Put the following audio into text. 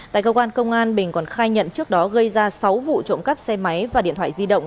tại cơ quan công an bình còn khai nhận trước đó gây ra sáu vụ trộm cắp xe máy và điện thoại di động